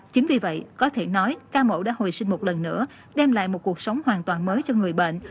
chính vì vậy có thể nói ca mẫu đã hồi sinh một lần nữa đem lại một cuộc sống hoàn toàn mới cho người bệnh